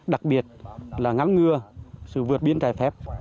đặc biệt là ngăn ngừa sự vượt biên trái phép